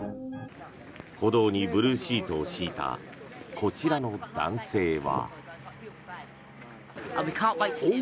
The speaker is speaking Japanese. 歩道にブルーシートを敷いたこちらの男性は。